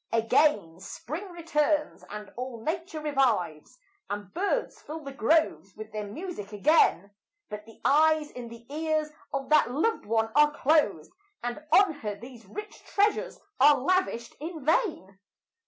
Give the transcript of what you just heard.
Again spring returns, and all nature revives, And birds fill the groves with their music again; But the eyes and the ears of that loved one are closed, And on her these rich treasures are lavished in vain.